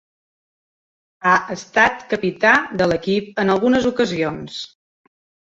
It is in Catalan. Ha estat capità de l'equip en algunes ocasions.